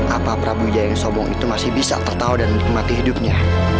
apa prabu jayang sombong itu masih bisa tertawa dan menikmati hidupnya